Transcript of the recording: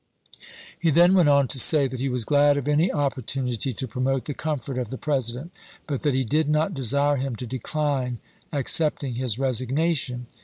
He then went on to say that he was glad of any opportunity to promote the comfort of the Presi dent, but that he did not desire him to decline accepting his resignation.